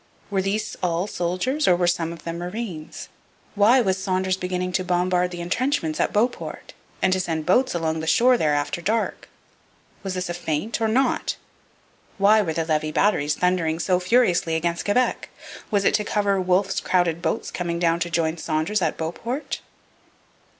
Were these all soldiers or were some of them marines? Why was Saunders beginning to bombard the entrenchments at Beauport and to send boats along the shore there after dark? Was this a feint or not? Why were the Levis batteries thundering so furiously against Quebec? Was it to cover Wolfe's crowded boats coming down to join Saunders at Beauport?